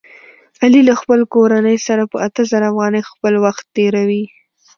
علي له خپلې کورنۍ سره په اته زره افغانۍ خپل وخت تېروي.